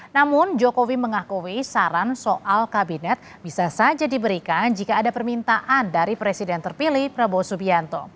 namun jokowi mengakui saran soal kabinet bisa saja diberikan jika ada permintaan dari presiden terpilih prabowo subianto